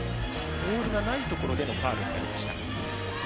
ボールがないところでのファウルになりました。